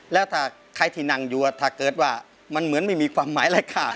แล้วถ้าใครที่นั่งอยู่ถ้าเกิดว่ามันเหมือนไม่มีความหมายแรกค่ะ